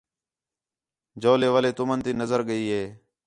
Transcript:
جَولے والے تُمن تی نظر ڳئی ہِے